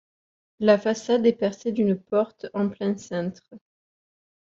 La façade est percée d'une porte en plein cintre.